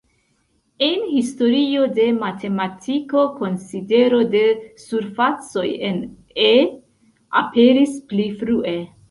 En historio de matematiko konsidero de surfacoj en E" aperis pli frue.